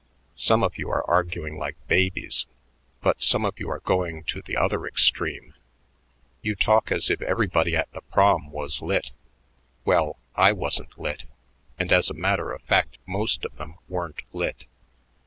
Some of you are arguing like babies. But some of you are going to the other extreme. "You talk as if everybody at the Prom was lit. Well, I wasn't lit, and as a matter of fact most of them weren't lit.